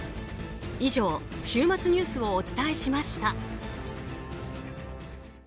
以上、週末ニュースをお伝えしました。